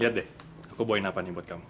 lihat deh aku poin apa nih buat kamu